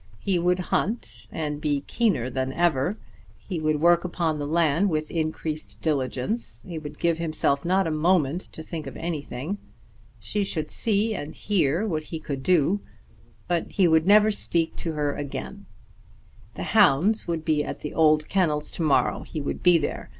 He would hunt, and be keener than ever; he would work upon the land with increased diligence; he would give himself not a moment to think of anything. She should see and hear what he could do; but he would never speak to her again. The hounds would be at the old kennels to morrow. He would be there.